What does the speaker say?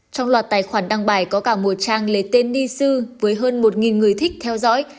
trong loạt tài khoản đăng bài có cả một trang lấy tên ni sư với hơn một người thích theo dõi